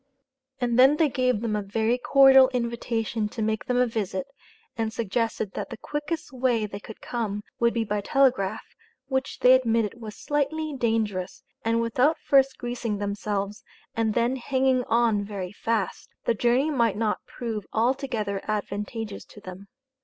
And then they gave them a very cordial invitation to make them a visit, and suggested that the quickest way they could come, would be by telegraph, which they admitted was slightly dangerous, and without first greasing themselves, and then hanging on very fast, the journey might not prove altogether advantageous to them.